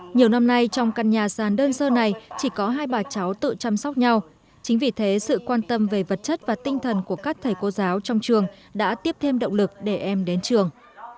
nhiều năm nay trong căn nhà sàn đơn sơ này chỉ có hai bà cháu tự chăm sóc nhau chính vì thế sự quan tâm về vật chất và tinh thần của các thầy cô giáo trong trường đã tiếp thêm động lực để em đến trường